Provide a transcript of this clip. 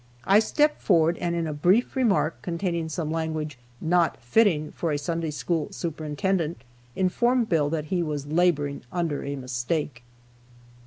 I stepped forward and in a brief remark, containing some language not fitting for a Sunday school superintendent, informed Bill that he was laboring under a mistake.